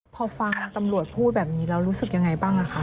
พอฟังตำรวจพูดแบบนี้แล้วรู้สึกยังไงบ้างคะ